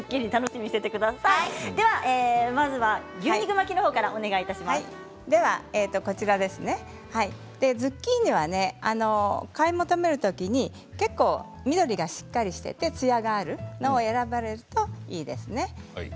では、まずは牛肉巻きのほうからズッキーニはね買い求めるときに結構、緑がしっかりしていてツヤがあるのを選ばれるといいですね。